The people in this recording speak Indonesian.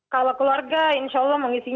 kalau keluarga insya allah mengisi